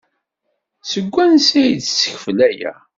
Seg wansi ay d-tessekfel aya?